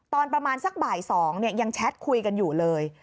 ตอนประมาณสักบ่าย๒ยังแชทคุยกันอยู่เลย